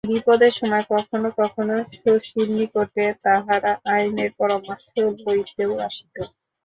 বিপদের সময় কখনো কখনো শশীর নিকটে তাহারা আইনের পরামর্শ লইতেও আসিত।